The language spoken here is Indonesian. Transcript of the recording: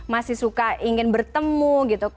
masih suka ingin bertemu gitu